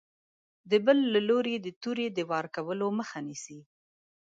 د بل له لوري د تورې د وار کولو مخه نیسي.